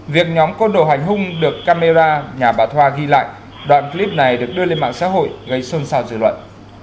việc nhóm con đồ hành hung được camera nhà bà thoa ghi lại đoạn clip này được đưa lên mạng xã hội gây sôn sao dự luận